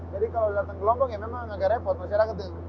jadi kalau datang ke lombang ya memang agak repot masyarakatnya